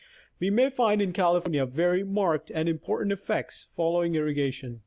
We find in California very marked and important effects fol lowing irrigation.